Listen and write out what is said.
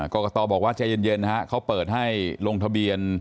กรกตบอกว่าใจเย็นนะฮะเขาเปิดให้ลงทะเบียน